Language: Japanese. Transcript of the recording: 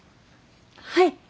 はい。